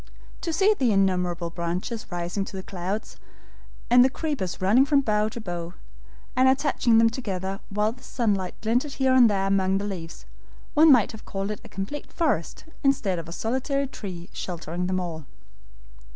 To see the innumerable branches rising to the clouds, and the creepers running from bough to bough, and attaching them together while the sunlight glinted here and there among the leaves, one might have called it a complete forest instead of a solitary tree sheltering them all.